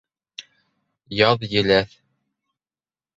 Яҙ еләҫ